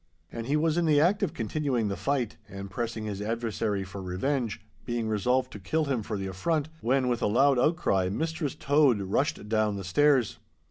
And he was in the act of continuing the fight, and pressing his adversary for revenge, being resolved to kill him for the affront, when, with a loud outcry, Mistress Tode rushed down the stairs.